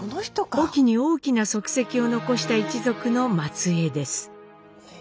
隠岐に大きな足跡を残した一族の末えいです。